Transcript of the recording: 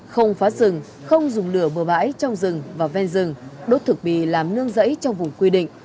không phá rừng không dùng lửa bừa bãi trong rừng và ven rừng đốt thực bì làm nương rẫy trong vùng quy định